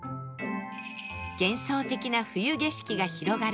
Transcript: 幻想的な冬景色が広がる